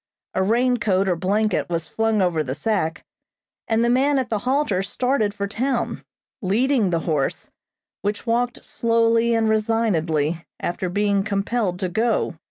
A rain coat or blanket was flung over the sack, and the man at the halter started for town, leading the horse, which walked slowly and resignedly after being compelled to go.